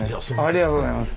ありがとうございます。